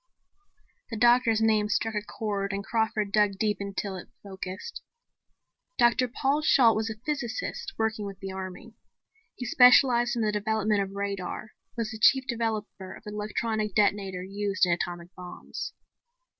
The doctor's name struck a chord and Crawford dug deep until it focused. Dr. Paul Shalt was a physicist working with the army. He specialized in the development of radar, was the chief developer of the electrical detonator used in atomic bombs.